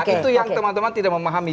itu yang teman teman tidak memahami